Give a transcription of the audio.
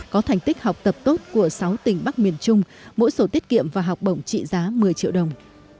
có thành tích học tập tốt của sáu tỉnh bắc miền trung mỗi sổ tiết kiệm và học bổng trị giá một mươi triệu đồng